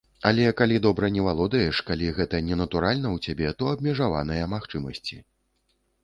Але калі добра не валодаеш, калі гэта ненатуральна ў цябе, то абмежаваныя магчымасці.